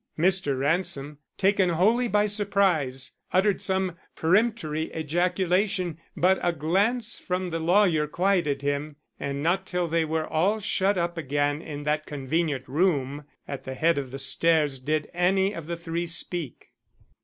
Mr. Ransom, taken wholly by surprise, uttered some peremptory ejaculation, but a glance from the lawyer quieted him, and not till they were all shut up again in that convenient room at the head of the stairs did any of the three speak.